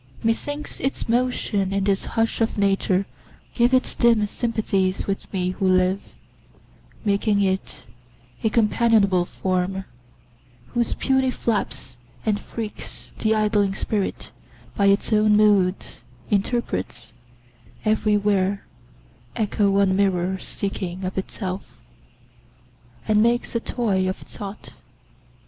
Methinks, its motion in this hush of nature Gives it dim sympathies with me who live, Making it a companionable form, Whose puny flaps and freaks the idling Spirit By its own moods interprets, every where Echo or mirror seeking of itself, And makes a toy of Thought.